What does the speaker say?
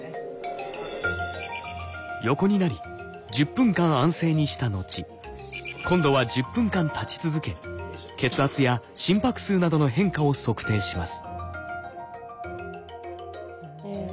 横になり１０分間安静にした後今度は１０分間立ち続け血圧や心拍数などの変化を測定します。